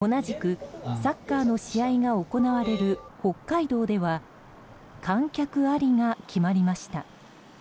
同じくサッカーの試合が行われる北海道では観客ありが決まりました。